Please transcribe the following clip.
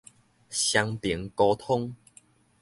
雙爿溝通